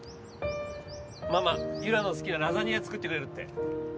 ママゆらの好きなラザニア作ってくれるって